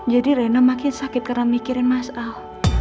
jadi rena makin sakit karena mikirin mas al